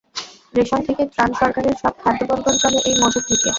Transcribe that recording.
Ration থেকে ত্রাণ সরকারের সব খাদ্য বণ্টন চলে এই মজুত থেকে।